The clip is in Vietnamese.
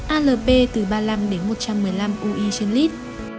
alp từ ba mươi năm đến một trăm một mươi năm ui trên lít